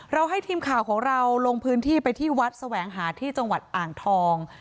ให้ทีมข่าวของเราลงพื้นที่ไปที่วัดแสวงหาที่จังหวัดอ่างทอง